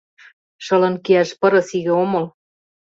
— Шылын кияш пырыс иге омыл.